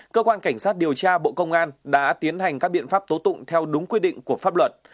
cơ quan cảnh sát điều tra bộ công an đã tiến hành các biện pháp tố tụng theo đúng quy định của pháp luật